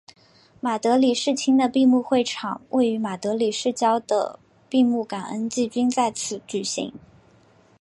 马德里世青的闭幕会场位于马德里市郊的的闭幕感恩祭均在此举行。